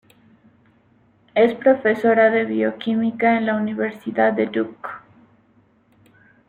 Es profesora de bioquímica en la Universidad de Duke.